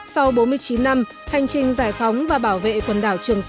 sau bốn mươi chín năm hành trình giải phóng và bảo vệ quần đảo trường sa